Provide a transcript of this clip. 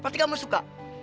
pasti kamu suka